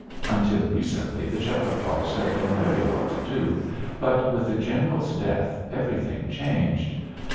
Until recently the Cheprakovs had been very well to do, but with the general's death everything changed.